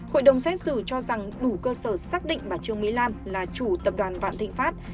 hội đồng xét xử cho rằng đủ cơ sở xác định bà trương mỹ lan là chủ tập đoàn vạn thịnh pháp